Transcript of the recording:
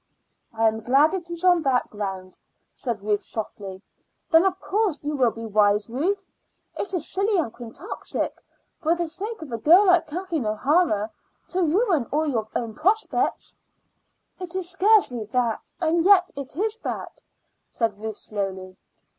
"I am glad it is on that ground," said Ruth softly. "Then of course you will be wise, Ruth. It is silly and quixotic, for the sake of a girl like Kathleen O'Hara, to ruin all your own prospects." "It is scarcely that and yet it is that," said Ruth slowly.